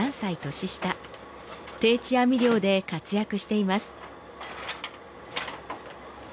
定置網漁で活躍しています。